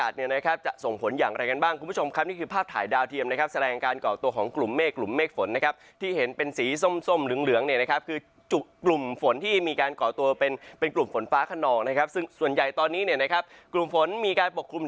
ส่วนใหญ่ตอนนี้กลุ่มฝนมีการปกครุม